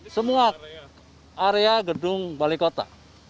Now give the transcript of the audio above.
semua area gedung balai kota